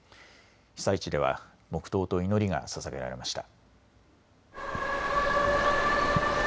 被災地では黙とうと祈りがささげられました。